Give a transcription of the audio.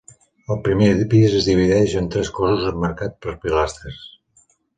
El primer pis es divideix en tres cossos emmarcats per pilastres.